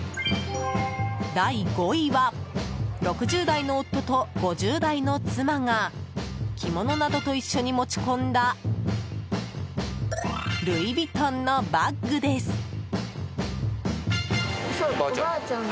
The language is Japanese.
第５位は６０代の夫と５０代の妻が着物などと一緒に持ち込んだルイ・ヴィトンのバッグです。